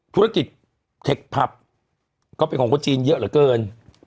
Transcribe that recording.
ธุรกิจเทคผับก็เป็นของคนจีนเยอะเหลือเกิน